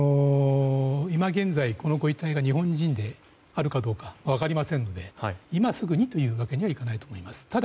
今現在、このご遺体が日本人であるかどうかが分かりませんので今すぐにというわけにはいかないと思います。